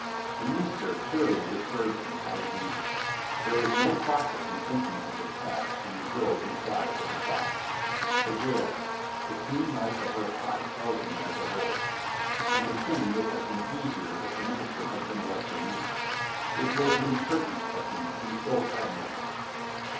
The minister surely disturbed him out of reason. There was no profit in thinking of the past and the girl who cried for her father. The girl ... the clean light of her eyes held him as of old ... And the thing would have been easier if the minister had been a lesser man. It was_ an impertinence of him to be admirable